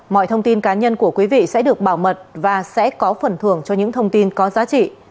mọi thông tin cá nhân của quý vị sẽ được bảo mật và sẽ có phần thường cho những thông tin có giá trị